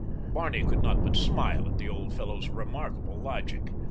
Barney could not but smile at the old fellow's remarkable logic.